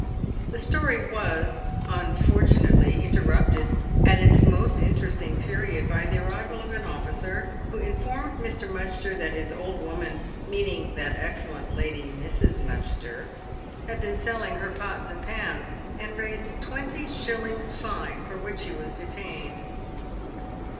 The story was, unfortunately, interrupted at its most interesting period by the arrival of an officer, who in formed Mr. Mudgster that his old woman (meaning that excellent lady Mrs. Mudgster) had been selling her pots and pans, and raised the twenty shillings' fine for which he was detained.